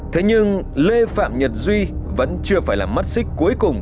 thế nhưng lê phạm nhật duy vẫn chưa phải là mắt xích cuối cùng